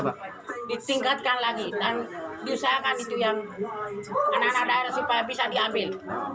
ditingkatkan lagi dan diusahakan itu yang anak anak daerah supaya bisa diambil